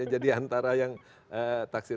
jadi antara yang taksi